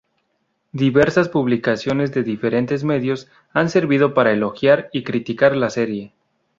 Diversas publicaciones de diferentes medios han servido para elogiar y criticar la serie.